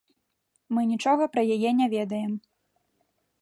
Мы нічога пра яе не ведаем.